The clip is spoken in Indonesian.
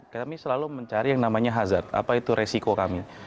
kami selalu mencari yang namanya hazard apa itu resiko kami